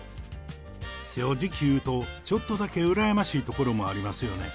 正直言うと、ちょっとだけ羨ましいところもありますよね。